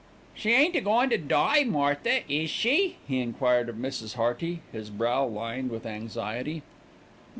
"She ain't a goin' to die, Martha, is she?" he enquired of Mrs. Hearty, his brow lined with anxiety.